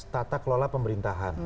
tata kelola pemerintahan